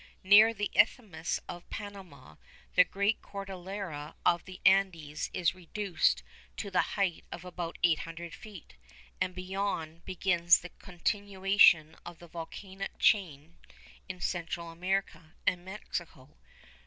Near the Isthmus of Panama the great Cordillera of the Andes is reduced to the height of about 800 feet, and beyond begins the continuation of the volcanic chain in Central America and Mexico.